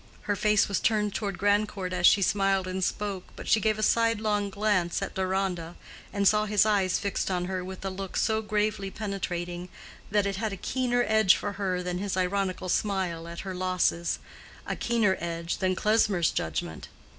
Her face was turned toward Grandcourt as she smiled and spoke, but she gave a sidelong glance at Deronda, and saw his eyes fixed on her with a look so gravely penetrating that it had a keener edge for her than his ironical smile at her losses—a keener edge than Klesmer's judgment.